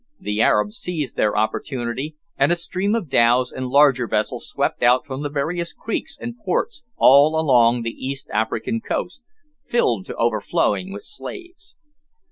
The Arabs seized their opportunity, and a stream of dhows and larger vessels swept out from the various creeks and ports all along the East African coast, filled to overflowing with slaves.